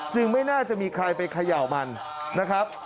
ไม่น่าจะมีใครไปเขย่ามันนะครับ